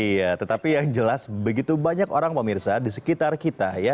iya tetapi yang jelas begitu banyak orang pemirsa di sekitar kita ya